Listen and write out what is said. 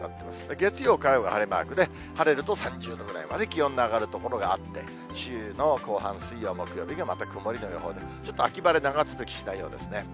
月曜、火曜が晴れマークで、晴れると３０度ぐらいまで気温が上がる所があって、週の後半、水曜、木曜日がまた曇りの予報で、ちょっと秋晴れ、長続きしないようですね。